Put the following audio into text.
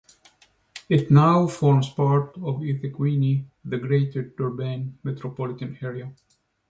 It now forms part of eThekwini, the Greater Durban metropolitan area.